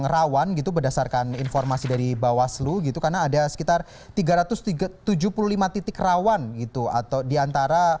rawan gitu berdasarkan informasi dari bawaslu gitu karena ada sekitar tiga ratus tujuh puluh lima titik rawan gitu atau diantara